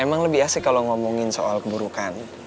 emang lebih asik kalau ngomongin soal keburukan